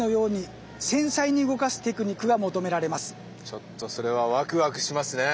ちょっとそれはワクワクしますね。